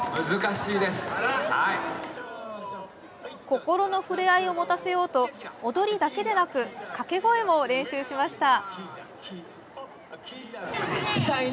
心の触れ合いを持たせようと踊りだけでなく掛け声も練習しました。